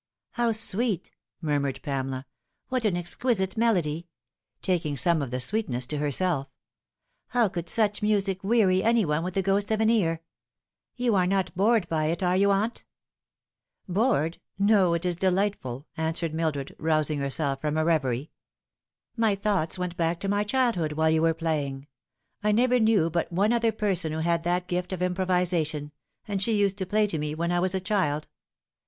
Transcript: " How sweet I" murmured Pamela ;" what an exquisite melody !" taking some of the sweetness to herself. " How could such music weary any one with the ghost of an ear ? You are not bored by it, are you, aunt ?" 126 The Fatal Three. " Bored ? no, it is delightful," answered Mildred, routing herself from a reverie. " My thoughts went back to my child hood while you were playing. I never knew but one other per son who had that gift of improvisation, and she used to play to me when I was a child.